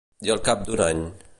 I al cap d'un any?